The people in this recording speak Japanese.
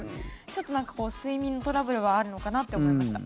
ちょっと睡眠トラブルはあるのかなって思いました。